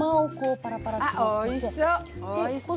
おいしそう！